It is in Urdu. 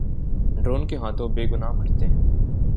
ڈرون کے ہاتھوں بے گناہ مرتے ہیں۔